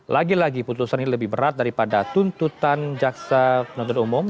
lagi lagi putusan ini lebih berat daripada tuntutan jaksa penuntut umum